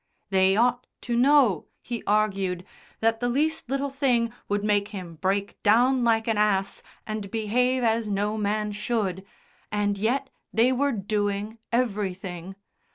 They ought to know, he argued, that the least little thing would make him break down like an ass and behave as no man should, and yet they were doing everything....